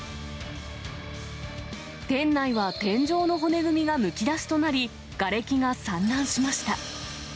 店内は天井の骨組みがむき出しとなり、がれきが散乱しました。